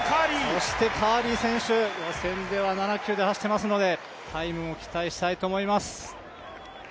そしてカーリー選手、予選では７９で走ってますのでタイムも期待したいと思います。